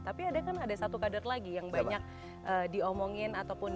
tapi ada kan ada satu kader lagi yang banyak diomongin ataupun